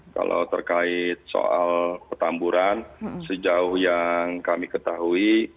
kalau terkait soal petamburan sejauh yang kami ketahui